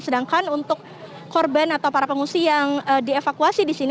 sedangkan untuk korban atau para pengungsi yang dievakuasi di sini